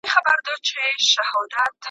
ځینې خلګ له هرې لاري پیسې ټولوي.